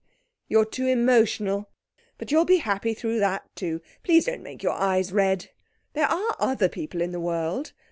'You're too emotional, but you'll be happy through that too. Please don't make your eyes red. There are other people in the world.